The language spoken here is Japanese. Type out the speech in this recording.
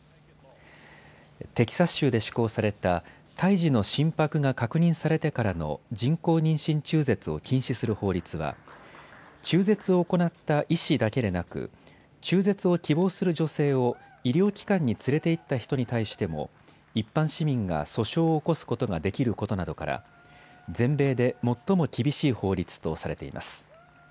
テキサス州で施行された胎児の心拍が確認されてからの人工妊娠中絶を禁止する法律は中絶を行った医師だけでなく中絶を希望する女性を医療機関に連れて行った人に対しても一般市民が訴訟を起こすことができることなどから全米で最も厳しい法律とされています。